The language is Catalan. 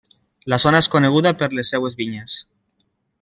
La zona és coneguda per les seves vinyes.